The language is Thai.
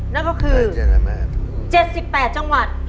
นั่นก็คือ๗๘จังหวัด